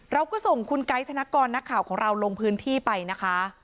เราก็ส่งคุณไกด์ธนกรนักข่าวของเราลงพื้นที่ไปนะคะ